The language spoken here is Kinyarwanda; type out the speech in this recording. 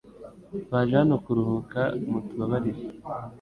Twaje hano kuruhuka mutubabarire